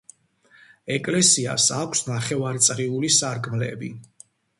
ეკლესიას აქვს ნახევრაწრიული სარკმლები.